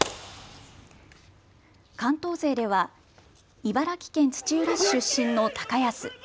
関東勢では茨城県土浦市出身の高安。